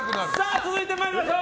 続いてまいりましょう。